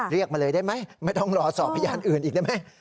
เรียกมาเลยได้ไหมไม่ต้องรอสอบพยานอื่นอีกได้ไหม